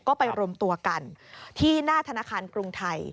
ก็ไปรวมตัวกันที่หน้าธนาคารกรุงไทย